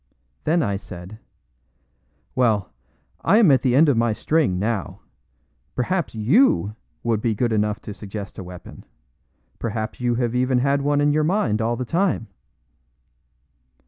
Then I said: "Well, I am at the end of my string, now. Perhaps YOU would be good enough to suggest a weapon? Perhaps you have even had one in your mind all the time?"